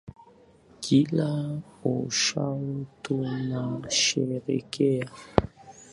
Kila uchao tunasherekea